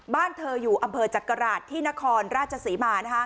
บ้านเธออยู่อำเภอจักราชที่นครราชศรีมา